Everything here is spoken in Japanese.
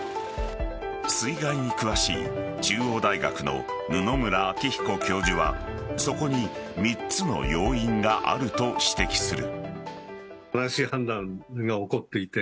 水害に詳しい、中央大学の布村明彦教授はそこに３つの要因があると指摘する。